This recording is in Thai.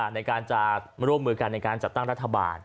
ในการจะร่วมมือกันในการจัดตั้งรัฐบาล